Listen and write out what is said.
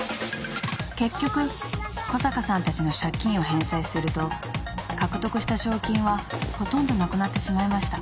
［結局小坂さんたちの借金を返済すると獲得した賞金はほとんど無くなってしまいました］